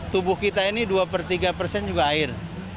tubuh kita ini dua per tiga persen juga air